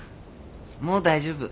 もう大丈夫。